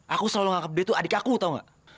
aku selalu nganggep dia tuh adik aku tahu enggak